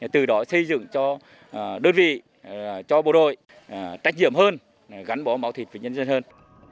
từ đó xây dựng cho đơn vị cho bộ đội trách nhiệm hơn gắn bó máu thịt với nhân dân hơn